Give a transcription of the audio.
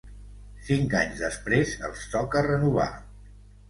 Cinc anys després els toca renovar.